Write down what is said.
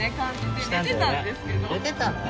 寝てたの？